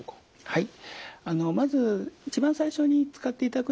はい。